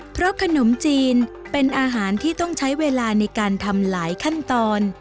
เพราะขนมจีนเป็นอาหารที่ต้องใช้เวลาในการทำหลายขั้นตอน